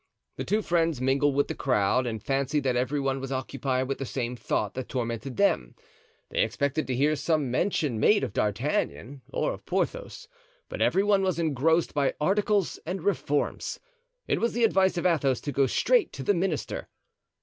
The two friends mingled with the crowd and fancied that every one was occupied with the same thought that tormented them. They expected to hear some mention made of D'Artagnan or of Porthos, but every one was engrossed by articles and reforms. It was the advice of Athos to go straight to the minister.